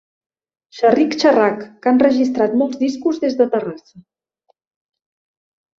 Xerric-xerrac que ha enregistrat molts discos des de Terrassa.